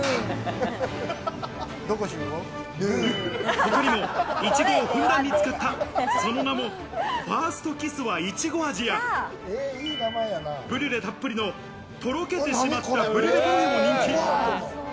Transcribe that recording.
他にもイチゴをふんだんに使った、その名も「ファーストキスはイチゴ味」や、ブリュレたっぷりの「トロけてしまったブリュレパフェ」などが人気。